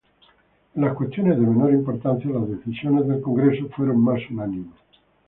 En las cuestiones de menor importancia, las decisiones del congreso fueron más unánimes.